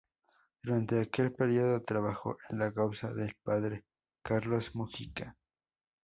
Durante aquel período trabajó en la causa del padre Carlos Mugica.